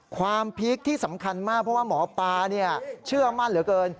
พีคที่สำคัญมากเพราะว่าหมอปลาเชื่อมั่นเหลือเกิน